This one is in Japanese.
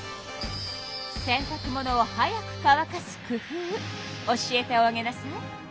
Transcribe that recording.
洗たく物を早く乾かす工夫教えておあげなさい。